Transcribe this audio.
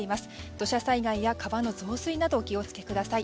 土砂災害や川の増水などお気をつけください。